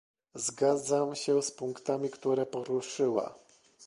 Zgadzam się z punktami, które poruszyła